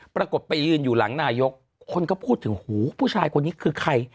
ปรากฏไปยืนอยู่หลังนายกคนก็พูดถึงหูผู้ชายคนนี้คือใคร